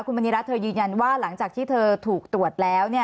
คุณมณีรัฐเธอยืนยันว่าหลังจากที่เธอถูกตรวจแล้ว